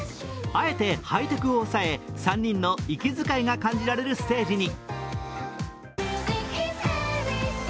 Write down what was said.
あえてハイテクを抑え、３人の息づかいが感じられるステージに。